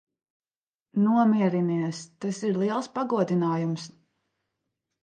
Nomierinies. Tas ir liels pagodinājums.